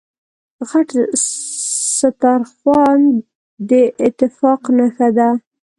غټ سترخوان داتفاق نښه ده.